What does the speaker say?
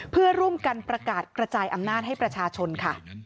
เพื่อร่วมกันประกาศกระจายอำนาจให้ประชาชนค่ะ